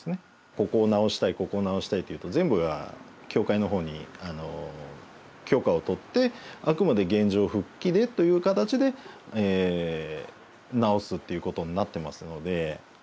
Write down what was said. ここを直したいここを直したいというと全部協会の方に許可を取ってあくまで原状復帰でという形で直すっていうことになってますので。